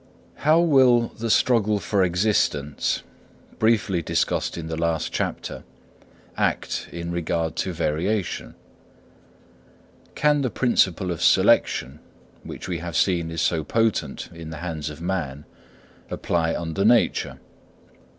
How will the struggle for existence, briefly discussed in the last chapter, act in regard to variation? Can the principle of selection, which we have seen is so potent in the hands of man, apply under nature?